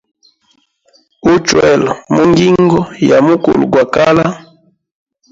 Uchwela mungingo ya mukulu gwa kala.